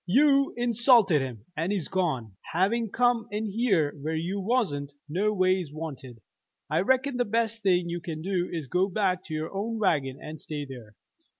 You insulted him, and he's gone. Having come in here where you wasn't no ways wanted, I reckon the best thing you can do is to go back to your own wagon and stay there.